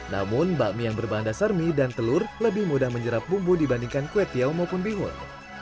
namun bakmi yang berbahan dasar mie dan telur lebih mudah menyerap bumbu dibandingkan kue tiaw maupun bihun